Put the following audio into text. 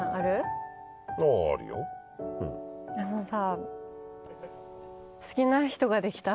あのさ。